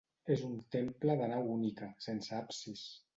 És un temple de nau única, sense absis.